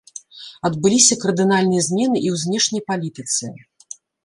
Адбыліся кардынальныя змены і ў знешняй палітыцы.